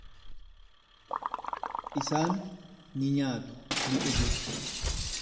Isaan ni nyaatu, ni dhugus.